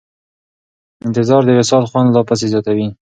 انتظار د وصال خوند لا پسې زیاتوي.